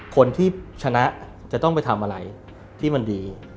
คนที่ชนะจะต้องไปทำอะไรที่มันดี